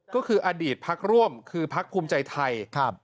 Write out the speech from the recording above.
ก็คืออดีตพักร่วมคือพักภูมิใจไทย